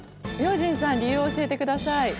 明神さん理由を教えてください。